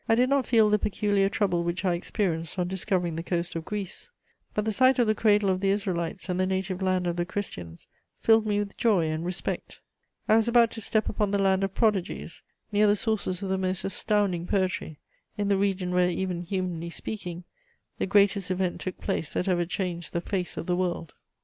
I did not feel the peculiar trouble which I experienced on discovering the coast of Greece: but the sight of the cradle of the Israelites and the native land of the Christians filled me with joy and respect. I was about to step upon the land of prodigies, near the sources of the most astounding poetry, in the region where, even humanly speaking, the greatest event took place that ever changed the face of the world.